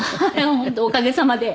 本当おかげさまで。